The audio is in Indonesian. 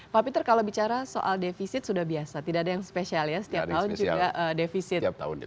pak peter kalau bicara soal defisit sudah biasa tidak ada yang spesial ya setiap tahun juga defisit